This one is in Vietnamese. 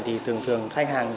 thì thường thường khách hàng